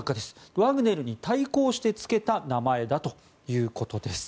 ワグネルに対抗してつけた名前だということです。